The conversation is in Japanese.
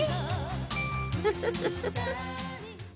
フフフフ。